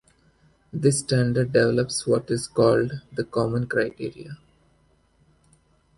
This standard develops what is called the "Common Criteria".